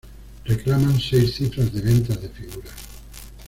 Reclaman seis cifras de ventas de figuras.